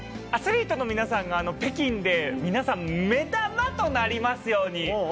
アスリートの皆さんが「北京」で皆さん目玉となりますように。